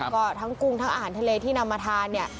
ก็ทั้งกุ้งทั้งอาหารทะเลที่นำมาทานเนี่ย